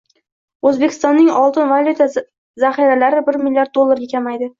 O‘zbekistonning oltin-valyuta zaxiralaribirmlrd dollarga kamaydi